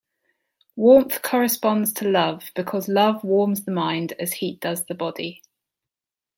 Warmth corresponds to love because love warms the mind as heat does the body.